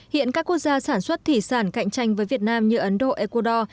hiện các quốc gia sản xuất thủy sản cạnh tranh với việt nam như ấn độ ecuador